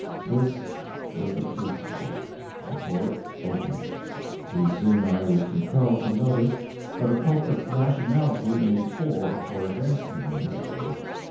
This was the police court. The court opened. Pretty soon I was compelled to notice that a culprit's nationality made for or against him in this court.